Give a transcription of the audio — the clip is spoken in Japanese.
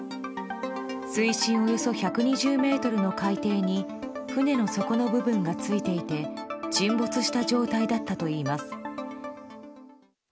水深およそ１２０ｍの海底に船の底の部分がついていて沈没した状態だっといいます。